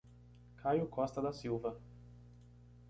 Caio Costa da Silva